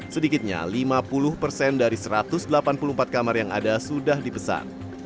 sedikitnya lima puluh persen dari satu ratus delapan puluh empat kamar yang ada sudah dipesan